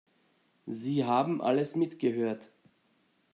Sie haben alles mitgehört.